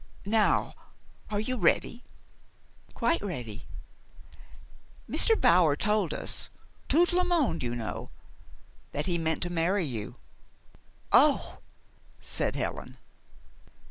Now, are you ready?" "Quite ready." "Mr. Bower told us, tout le monde, you know, that he meant to marry you." "Oh!" said Helen.